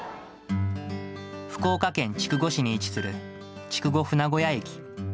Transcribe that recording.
福岡県筑後市に位置する筑後船小屋駅。